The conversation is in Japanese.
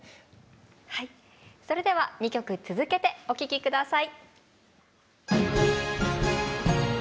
はいそれでは２曲続けてお聴き下さい。